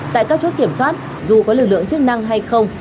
tại các chốt kiểm soát dù có lực lượng chức năng hay không